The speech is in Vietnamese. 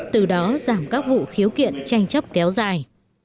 từ đó giảm các vụ khiếu kiện tranh chấp kéo dài